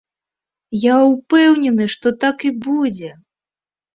Я ўпэўнены, што так і будзе!